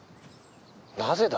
なぜだ？